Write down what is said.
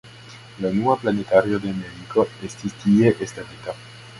La unua planetario de Ameriko estis tie establita.